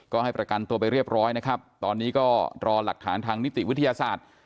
ก็ให้ประกันตัวไปเรียบร้อยนะครับตอนนี้ก็รอหลักฐานทางนิติวิทยาศาสตร์